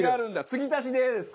継ぎ足しでですか？